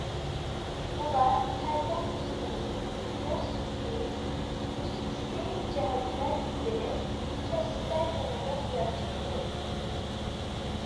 ئۇلار پەردە نۇسخىلىرى، رەخت سۈپىتى، نۇسخىسى جەھەتتە ئىزدىنىپ، كەسىپتە يېڭىلىق يارىتىپتۇ.